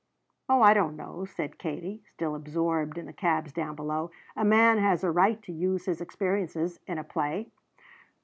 "Oh, I don't know," said Katie, still absorbed in the cabs down below; "a man has a right to use his experiences in a play."